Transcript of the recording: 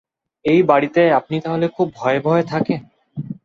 এই বাড়িতে আপনি তাহলে খুব ভয়ে-ভয়ে থাকেন?